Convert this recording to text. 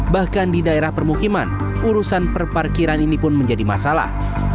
bahkan di daerah permukiman urusan perparkiran ini pun menjadi masalah